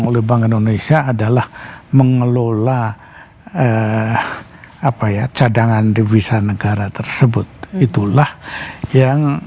oleh bank indonesia adalah mengelola apa ya cadangan devisa negara tersebut itulah yang